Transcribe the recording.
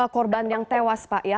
korban yang tewas pak ya